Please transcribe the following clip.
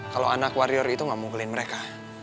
kalo anak warrior itu gak mungkulin mereka